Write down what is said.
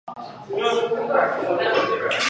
铃鹿川是一条流经日本三重县北部的河流。